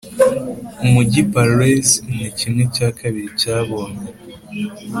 umujyi parleys ni kimwe cya kabiri cyabonye.